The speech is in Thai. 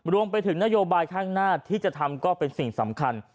รวมไปถึงนโยบายข้างหน้าที่จะทำก็เป็นสิ่งสำคัญ